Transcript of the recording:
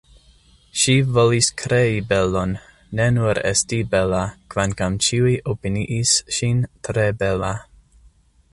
Ŝi volis krei belon, ne nur esti bela kvankam ĉiuj opiniis ŝin tre bela.